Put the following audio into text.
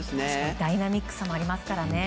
ダイナミックさもありますから。